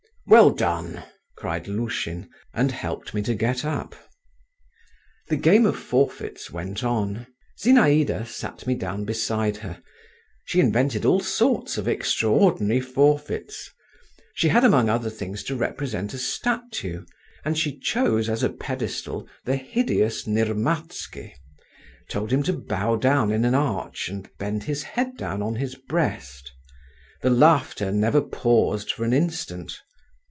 "Well done!" cried Lushin, and helped me to get up. The game of forfeits went on. Zinaïda sat me down beside her. She invented all sorts of extraordinary forfeits! She had among other things to represent a "statue," and she chose as a pedestal the hideous Nirmatsky, told him to bow down in an arch, and bend his head down on his breast. The laughter never paused for an instant.